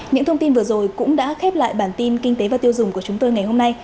những thông tin vừa rồi cũng đã khép lại bản tin kinh tế và tiêu dùng của chúng tôi ngày hôm nay